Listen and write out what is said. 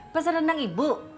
pesan renang ibu